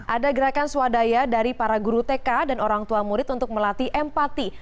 ada gerakan swadaya dari para guru tk dan orang tua murid untuk melatih empati